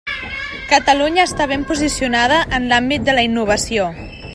Catalunya està ben posicionada en l'àmbit de la innovació.